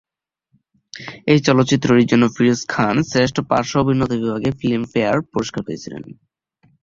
এই চলচ্চিত্রটির জন্য ফিরোজ খান শ্রেষ্ঠ পার্শ্ব অভিনেতা বিভাগে ফিল্মফেয়ার পুরস্কার পেয়েছিলেন।